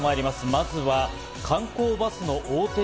まずは観光バスの横転